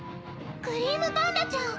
クリームパンダちゃん。